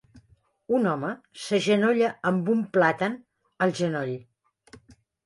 Un home s'agenolla amb un plàtan al genoll.